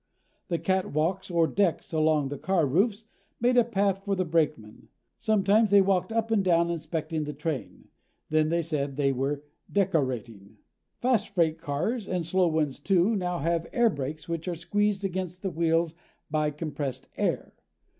The catwalks or decks along the car roofs made a path for the brakemen. Sometimes they walked up and down inspecting the train. Then they said they were "deckorating." Fast freight cars, and slow ones, too, now have air brakes which are squeezed against the wheels by compressed air.